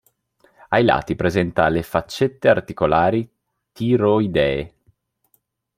Ai lati presenta le "faccette articolari tiroidee".